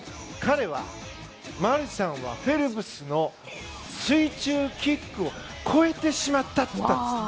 マルシャンはフェルプスの水中キックを超えてしまったと言ったんです。